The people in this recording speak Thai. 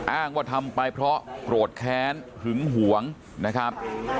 อ้างว่าทำไปเพราะโกรธแค้นหึงหวงนะครับ